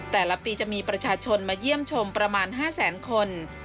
แต่ละปีจะมีประชาชนมาเยี่ยมชมประมาณ๕แสนคน